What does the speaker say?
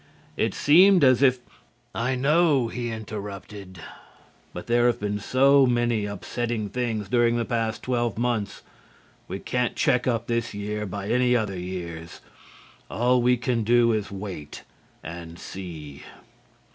It seems as if" "I know," he interrupted, "but there have been so many upsetting things during the past twelve months. We can't check up this year by any other years. All we can do is wait and see."